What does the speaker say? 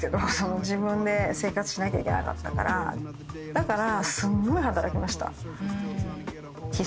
だから。